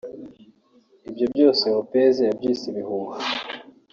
Ibyo byose Lopez yabyise ibihuha